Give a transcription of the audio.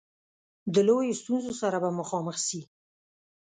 د لویو ستونزو سره به مخامخ سي.